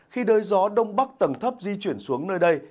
khi đới gió đông bắc tầng thấp di chuyển xuống nơi đây